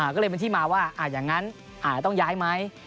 ก็เลยเป็นที่มาว่าอย่างนั้นอาจจะต้องย้ายไหม